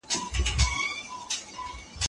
له خپل ځانه مي کافر جوړ کړ ته نه وي